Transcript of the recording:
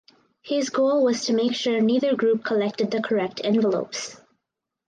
His goal was to make sure neither group collected the correct envelopes.